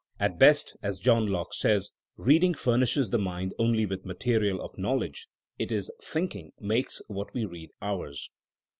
At best, as John Locke says, '' Beading furnishes the mind only with materials of knowledge, it la thinking makes what we read ours.